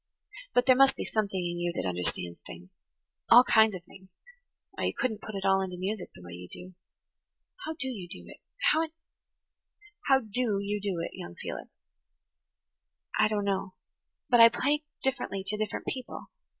But there must be something in you that understands things–all kinds of things–or you couldn't put it all into music the way you do. How do you do it? How in–how do you do it, young Felix?" "I don't know. But I play differently to different people.